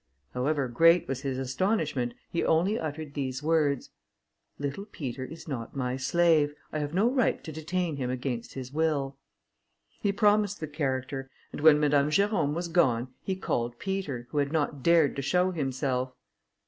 However great was his astonishment, he only uttered these words: "Little Peter is not my slave; I have no right to detain him against his will." He promised the character, and when Madame Jerôme was gone, he called Peter, who had not dared to show himself.